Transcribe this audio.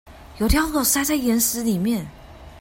有條狗塞在岩石裡面